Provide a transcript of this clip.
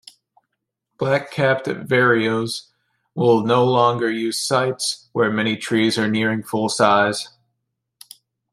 Black-capped vireos will no longer use sites where many trees are nearing full size.